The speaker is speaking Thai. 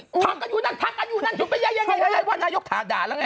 ทักอายุนั่นทักอายุนั่นหยุดไปยังไงวันนายกด่าแล้วไง